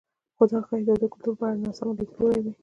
خو ښايي دا د کلتور په اړه ناسم لیدلوری وي.